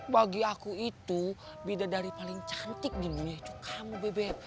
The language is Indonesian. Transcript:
bagi aku itu beda dari paling cantik di dunia itu kamu bebek